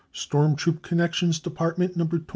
" Storm Troop Connections Department No. 29/33.